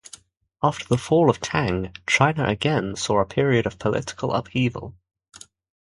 After the fall of Tang, China again saw a period of political upheaval.